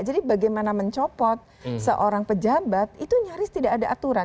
jadi bagaimana mencopot seorang pejabat itu nyaris tidak ada aturan